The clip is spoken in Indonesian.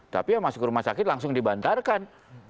tapi ya masuk rumah sakit langsung dibantarkan